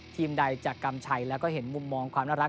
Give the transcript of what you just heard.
ใดจากกำชัยแล้วก็เห็นมุมมองความน่ารัก